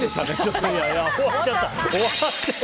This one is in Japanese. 終わっちゃった！